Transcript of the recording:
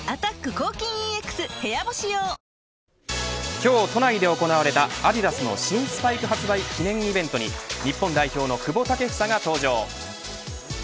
今日、都内で行われたアディダスの新スパイク発売記念イベントに日本代表の久保建英が登場。